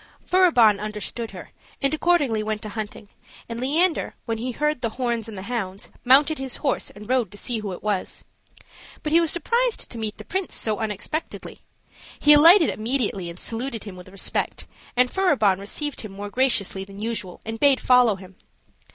Furibon understood her, and accordingly went a hunting; and Leander, when he heard the horns and the hounds, mounted his horse and rode to see who it was. But he was surprised to meet the prince so unexpectedly; he alighted immediately and saluted him with respect; and Furibon received him more graciously than usual and bade follow him.